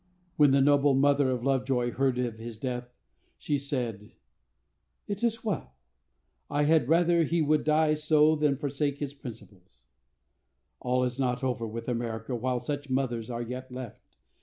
When the noble mother of Lovejoy heard of his death, she said, "It is well. I had rather he would die so than forsake his principles." All is not over with America while such mothers are yet left.